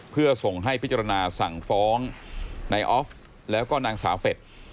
เพื่อส่งให้พิจารณาสั่งฟ้องนายออฟแล้วก็นางสาวเป็ด